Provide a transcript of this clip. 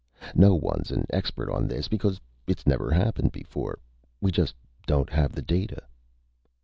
No one's an expert on this, because it's never happened before. We just don't have the data."